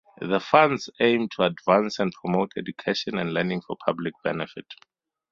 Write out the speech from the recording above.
The Funds aim to advance and promote education and learning for public benefit.